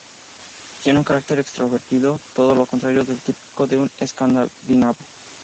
Tiene un carácter extrovertido, todo lo contrario del típico de un escandinavo.